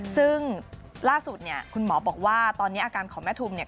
ซึ่งล่าสุดเนี่ยคุณหมอบอกว่าตอนนี้อาการของแม่ทุมเนี่ย